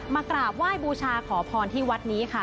กราบไหว้บูชาขอพรที่วัดนี้ค่ะ